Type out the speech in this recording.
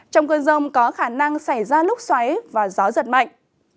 trong cơn rông có khả năng xảy ra lúc xoáy và gió giật mạnh